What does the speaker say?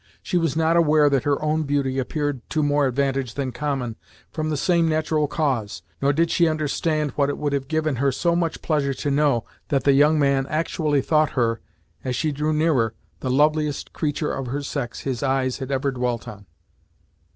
She was not aware that her own beauty appeared to more advantage than common, from the same natural cause, nor did she understand what it would have given her so much pleasure to know, that the young man actually thought her, as she drew nearer, the loveliest creature of her sex his eyes had ever dwelt on.